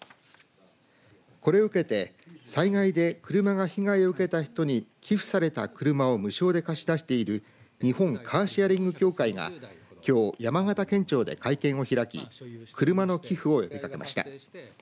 これを受けて災害で車が被害を受けた人に寄付された車を無償で貸し出している日本カーシェアリング協会がきょう山形県庁で会見を開き車の寄付を呼びかけました。